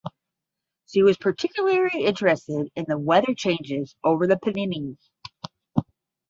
She was particularly interested in the weather changes over the Pennines.